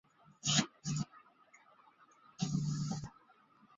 格罗赛布斯塔特是德国巴伐利亚州的一个市镇。